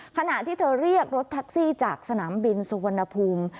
ขณะที่เธอเรียกรถแท็กซี่จากสนามบินสุวรรณภูมิ